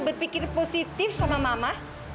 berpikir positif sama mama